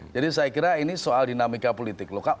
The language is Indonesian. jadi saya kira ini soal dinamika politik lokal